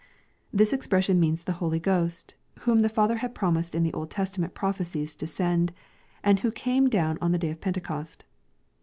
] This expression means the Holy Ghost, whom the Father had promised in the Old Testament prophecies to send, and who came down on the day of Pentecost.